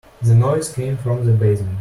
The noise came from the basement.